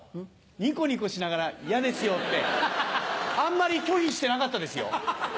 ニコニコしながら「嫌ですよ」ってあんまり拒否してなかったですよ。